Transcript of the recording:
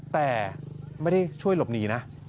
แต่ไม่ได้ช่วยหลบหนีนะ